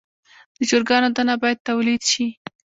د چرګانو دانه باید تولید شي.